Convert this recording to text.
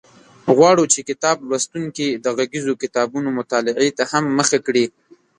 غواړو چې کتاب لوستونکي د غږیزو کتابونو مطالعې ته هم مخه کړي.